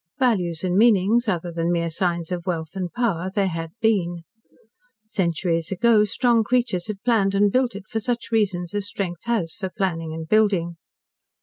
Values and meanings, other than mere signs of wealth and power, there had been. Centuries ago strong creatures had planned and built it for such reasons as strength has for its planning and building.